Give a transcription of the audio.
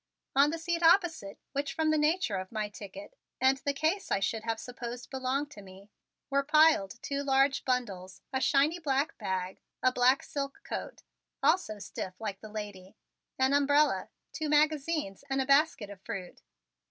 On the seat opposite, which from the nature of my ticket and the case I should have supposed belonged to me, were piled two large bundles, a shiny black bag, a black silk coat, also stiff like the lady, an umbrella, two magazines and a basket of fruit.